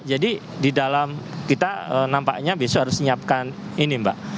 jadi di dalam kita nampaknya besok harus menyiapkan ini mbak